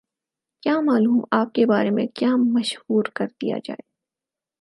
کیا معلوم آپ کے بارے میں کیا مشہور کر دیا جائے؟